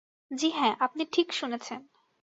জি, হ্যাঁ, আপনি ঠিক শুনেছেন।